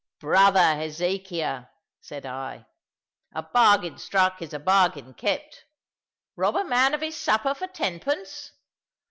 "Brother Hezekiah," said I, "a bargain struck is a bargain kept. Rob a man of his supper for tenpence!"